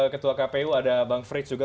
ketua kpu ada bang frits juga